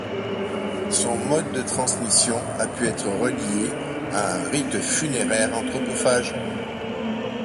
Son mode de transmission a pu être relié à un rite funéraire anthropophage.